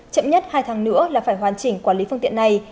chậm nhất hai tháng nữa là phải hoàn chỉnh quản lý phương tiện này